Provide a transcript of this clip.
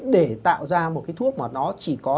để tạo ra một cái thuốc mà nó chỉ có